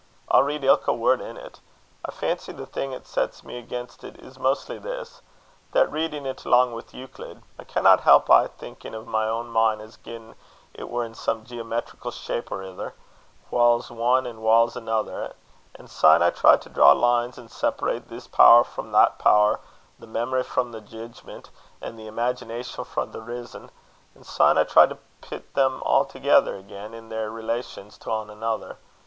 I'll read ilka word in't. I fancy the thing 'at sets me against it, is mostly this; that, readin' it alang wi' Euclid, I canna help aye thinkin' o' my ain min' as gin it were in some geometrical shape or ither, whiles ane an' whiles anither; and syne I try to draw lines an' separate this power frae that power, the memory frae the jeedgement, an' the imagination frae the rizzon; an' syne I try to pit them a' thegither again in their relations to ane anither.